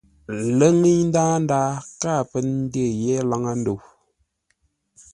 Ləŋəi ndaa káa pə́ ndyé yé laŋə́-ndə̂u.